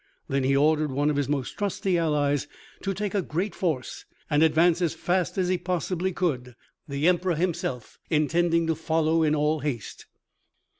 Then he ordered one of his most trusty allies to take a great force and advance as fast as he possibly could, the Emperor himself intending to follow in all haste.